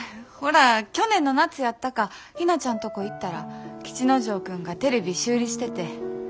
ほら去年の夏やったかひなちゃんとこ行ったら吉之丞君がテレビ修理してて。